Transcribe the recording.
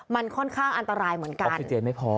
มันค่อนข้างอันตรายเหมือนกันออกซิเจนไม่พอ